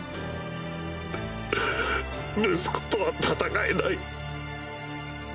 ウッ息子とは戦えない。